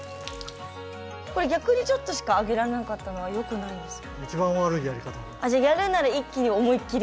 これ逆にちょっとしかあげられなかったのはよくないんですか？